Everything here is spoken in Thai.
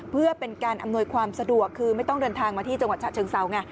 เพื่อเป็นการอำนวยความสะดวกคือไม่ต้องเดินทางมาที่จังหวัดฉะเชิงเซาไง